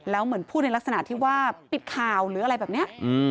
แล้วเหมือนพูดในลักษณะที่ว่าปิดข่าวหรืออะไรแบบนี้